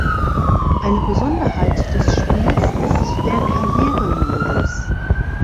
Eine Besonderheit des Spiels ist der Karrieremodus.